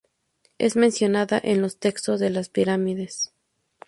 Es mencionada en los Textos de las Pirámides.